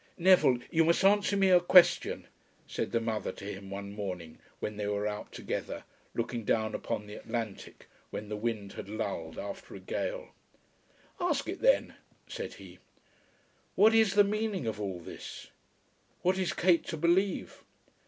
"Neville, you must answer me a question," said the mother to him one morning when they were out together, looking down upon the Atlantic when the wind had lulled after a gale. "Ask it then," said he. "What is the meaning of all this? What is Kate to believe?"